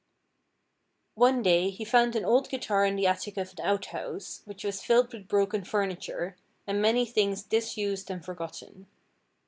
One day he found an old guitar in the attic of an out house, which was filled with broken furniture, and many things disused and forgotten.